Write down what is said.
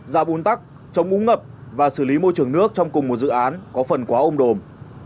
ra bùn tắc chống úng ngập và xử lý môi trường nước trong cùng một dự án có phần quá ôm đồm